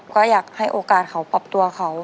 ก็อยากให้โอกาสเขาปรับตัวเขา